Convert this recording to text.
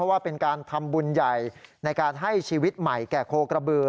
ว่าเป็นการทำบุญใหญ่ในการให้ชีวิตใหม่แก่โคกระบือ